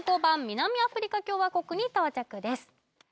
南アフリカ共和国に到着です